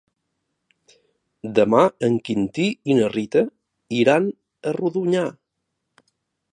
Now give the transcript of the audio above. Demà en Quintí i na Rita iran a Rodonyà.